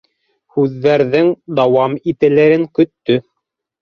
Һүҙҙәрҙең дауам ителерен көттө.